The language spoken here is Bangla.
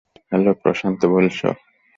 হ্যালো, প্রশান্ত বলছো?